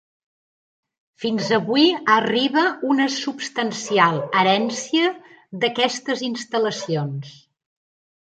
Fins avui arriba una substancial herència d'aquestes instal·lacions.